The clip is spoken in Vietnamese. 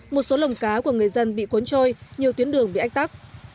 một số lồng cá của người dân bị cuốn trôi nhiều tuyến đường bị ách tắc